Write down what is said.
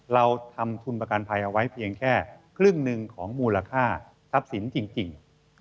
เราทำทุนประกันภัยเอาไว้เพียงแค่ครึ่งหนึ่งของมูลค่าทรัพย์สินจริง